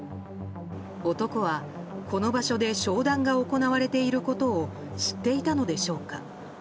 男はこの場所で商談が行われていたことを知っていたのでしょうか。